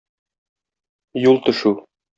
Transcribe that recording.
Юл төшү.